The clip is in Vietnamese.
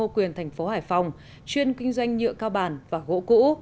quy mô một mươi tám tầng một trăm sáu mươi tám căn hộ